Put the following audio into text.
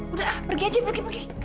udah pergi aja pergi pergi